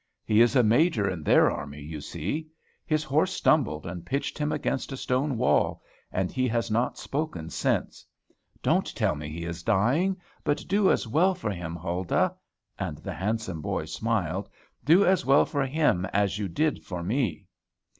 He is a major in their army, you see. His horse stumbled, and pitched him against a stone wall; and he has not spoken since. Don't tell me he is dying; but do as well for him, Huldah," and the handsome boy smiled, "do as well for him as you did for me."